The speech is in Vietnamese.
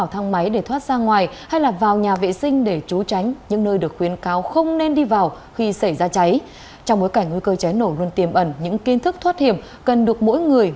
trong bối cảnh nguy cơ cháy nổ luôn tiềm ẩn những kiến thức thoát hiểm cần được mỗi người